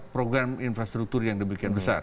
program infrastruktur yang demikian besar